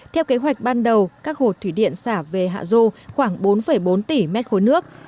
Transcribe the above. theo kế hoạch ban đầu các hồ thủy điện xả về hạ dô khoảng bốn bốn tỷ mét khối nước